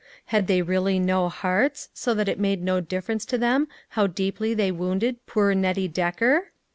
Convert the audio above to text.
Had they really no hearts, so that it made no difference to them how deeply they wounded poor Nettie Decker